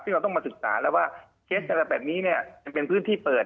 ซึ่งเราต้องมาศึกษาแล้วว่าเคสอะไรแบบนี้เนี่ยจะเป็นพื้นที่เปิด